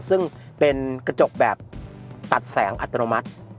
ซึ่งเป็นกระจกแบบตัดแสงอัตโนมัติ